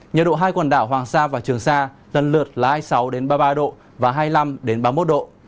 nhiệt độ hai quần đảo hoàng sa và trường sa lần lượt là hai mươi sáu ba mươi ba độ và hai mươi năm ba mươi một độ